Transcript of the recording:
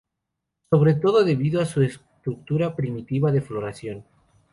Sobre todo debido a su estructura primitiva de floración.